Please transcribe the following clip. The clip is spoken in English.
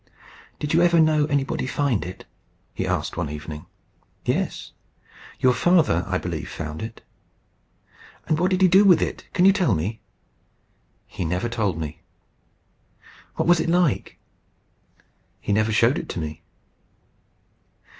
"Did you ever know anybody find it?" he asked one evening. "Yes. Your father, I believe, found it." "And what did he do with it, can you tell me?" "He never told me." "What was it like?" "He never showed it to me."